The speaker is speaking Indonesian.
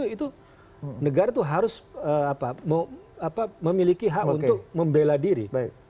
itu negara itu harus memiliki hak untuk membela diri